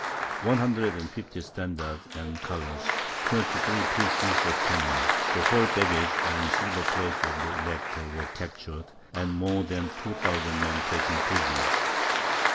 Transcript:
One hundred and fifty standards and colours, twenty three pieces of cannon, the whole baggage and silver plate of the Elector, were captured, and more than 2000 men taken prisoners.